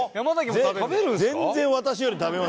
全然私より食べますよ。